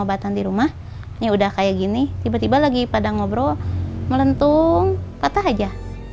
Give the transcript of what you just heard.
ini udah kayak gini tiba tiba lagi pada ngobrol melentung patah aja